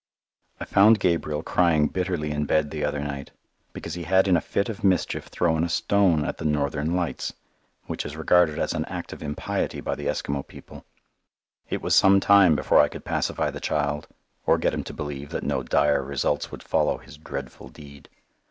I found Gabriel crying bitterly in bed the other night because he had in a fit of mischief thrown a stone at the Northern lights, which is regarded as an act of impiety by the Eskimo people. It was some time before I could pacify the child, or get him to believe that no dire results would follow his dreadful deed.